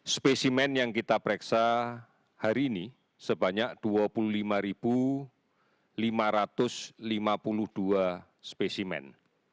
spesimen yang kita pereksa hari ini sebanyak dua puluh lima lima ratus lima puluh dua spesimen